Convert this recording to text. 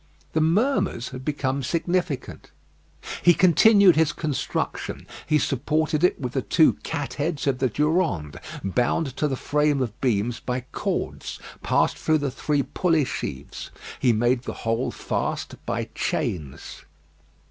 The murmurs had become significant. He continued his construction. He supported it with the two cat heads of the Durande, bound to the frame of beams by cords passed through the three pulley sheaves. He made the whole fast by chains.